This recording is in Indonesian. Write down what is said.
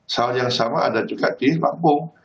hal yang sama ada juga di lampung